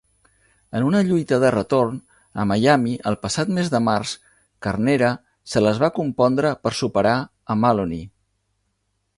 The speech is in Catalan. En una lluita de retorn, a Miami el passat mes de març, Carnera se les va compondre per superar a Maloney.